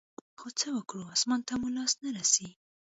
خو څه وكړو اسمان ته مو لاس نه رسي.